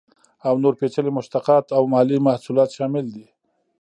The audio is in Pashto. او نور پیچلي مشتقات او مالي محصولات شامل دي.